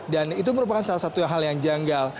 dan itu merupakan salah satu hal yang janggal